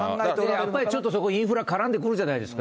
やっぱりちょっとそこはインフラ絡んでくるじゃないですか。